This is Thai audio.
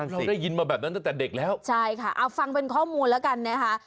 เราได้ยินมาแบบนั้นตั้งแต่เด็กแล้วใช่ค่ะเอาฟังเป็นข้อมูลแล้วกันนะคะ